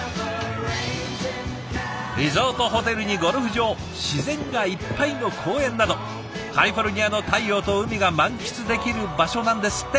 リゾートホテルにゴルフ場自然がいっぱいの公園などカリフォルニアの太陽と海が満喫できる場所なんですって。